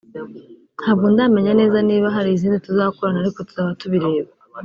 ntabwo ndamenya neza niba hari izindi tuzakorana ariko tuzaba tubireba